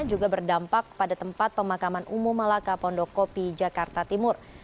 juga berdampak pada tempat pemakaman umum malaka pondokopi jakarta timur